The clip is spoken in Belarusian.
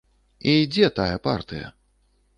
І дзе тая партыя?